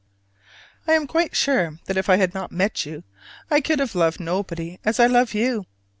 I am quite sure that if I had not met you, I could have loved nobody as I love you.